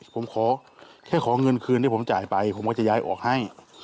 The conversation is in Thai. ผมขอแค่ขอเงินคืนที่ผมจ่ายไปผมก็จะย้ายออกให้